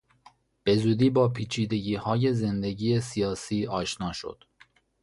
به زودی با پیچیدگیهای زندگی سیاسی آشنا شد.